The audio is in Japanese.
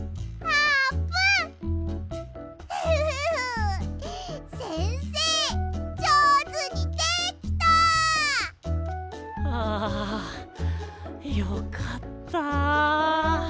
はあよかった。